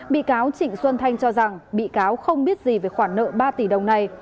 bị cáo trịnh xuân thanh cho rằng bị cáo không biết gì về khoản nợ ba tỷ đồng này